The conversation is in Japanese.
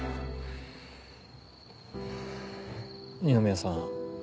二宮さん。